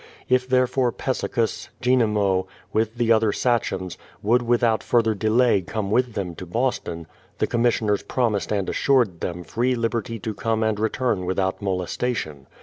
If therefore Pessecuss, Jenemo, with the other sachems, would without further delay come with them to Boston, the com missioners promised and assured them free liberty to come and return without molestation.